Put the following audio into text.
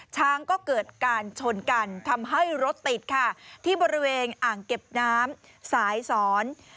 ช้างก็เกิดการชนกันทำให้รถติดค่ะที่บริเวณอ่างเก็บน้ำสายสอน